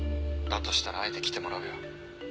だとしたらあえて来てもらうよ。